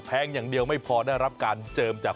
อย่างเดียวไม่พอได้รับการเจิมจาก